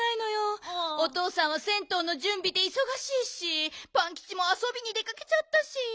おとうさんは銭湯のじゅんびでいそがしいしパンキチもあそびに出かけちゃったし。